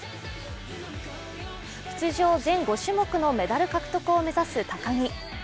出場全５種目のメダル獲得を目指す高木。